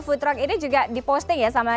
food truck ini juga diposting ya sama